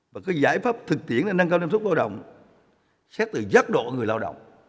và các giải pháp thực tiễn để năng cao năng suất lao động xét từ giác độ người lao động